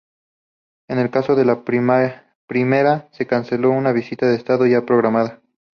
En el caso de la primera, se canceló una visita de Estado ya programada.